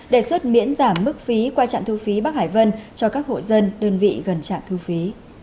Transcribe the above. đề xuất miễn giảm mức phí qua trạm thu phí bắc hải vân cho các hộ dân đơn vị gần trạm thu phí